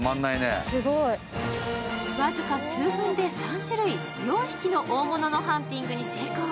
僅か数分で３種類、４匹の大物のハンティングに成功。